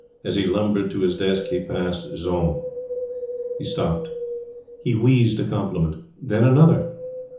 As he lumbered to his desk he passed Jeanne. He stopped. He wheezed a compliment. Then another.